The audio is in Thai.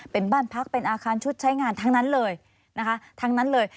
เป็นบ้านพักเป็นอาคารชุดใช้งานทั้งนั้นเลยนะคะทั้งนั้นเลย